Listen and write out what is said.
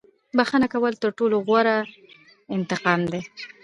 • بښنه کول تر ټولو غوره انتقام دی.